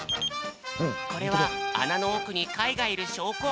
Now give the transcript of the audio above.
これはあなのおくにかいがいるしょうこ。